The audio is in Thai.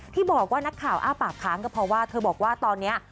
ที่บอกว่านักข่าวอ้าปากค้างก็เพราะว่าเธอบอกว่าตอนนี้